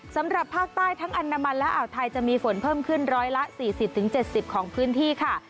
สำหรับภาคใต้ทั้งอันดามันและอ่าวไทยจะมีฝนเพิ่มขึ้น๑๔๐๗๐ของพื้นที่ค่ะ